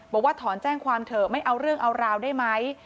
บอกว่าถอนแจ้งความเถอะไม่เอาเรื่องเอาราวได้ไหม